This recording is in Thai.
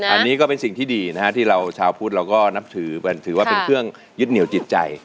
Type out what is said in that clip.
อันนี้ก็เป็นสิ่งที่ดีนะฮะที่เราชาวพุทธเราก็นับถือถือว่าเป็นเครื่องยึดเหนียวจิตใจ